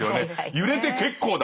揺れて結構だ。